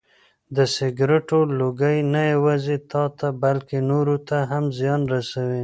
د سګرټو لوګی نه یوازې تاته بلکې نورو ته هم زیان رسوي.